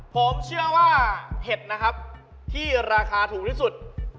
ผมเชื่อว่าเห็ดนะครับที่ราคาถูกที่สุด